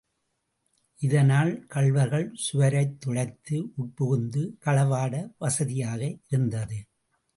இதனால், கள்வர்கள் சுவரைத் துளைத்து உட்புகுந்து களவாட வசதியாக இருந்தது.